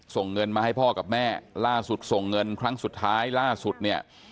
ส่งเงินมาให้พ่อกับแม่ล่าสุดส่งเงินครั้งสุดท้ายล่าสุดเนี่ย